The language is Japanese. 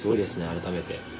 改めて。